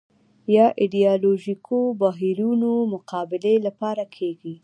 یا ایدیالوژیکو بهیرونو مقابلې لپاره کېږي